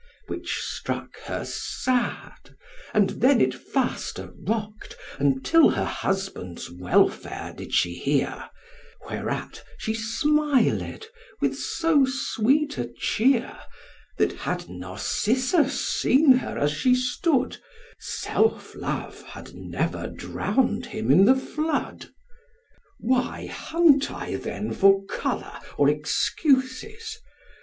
Which struck her sad, and then it faster rock'd, Until her husband's welfare she did hear; Whereat she smiled with so sweet a cheer, That had Narcissus seen her as she stood, Self love had never drown'd him in the flood. 'Why hunt I then for colour or excuses?